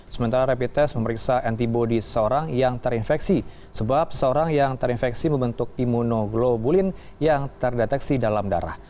sementara rapid test memeriksa antibody seseorang yang terinfeksi sebab seseorang yang terinfeksi membentuk imunoglobulin yang terdeteksi dalam darah